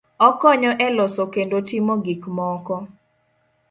okonyo e loso kendo timo gik moko